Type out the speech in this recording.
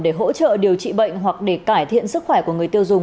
để hỗ trợ điều trị bệnh hoặc để cải thiện sức khỏe của người tiêu dùng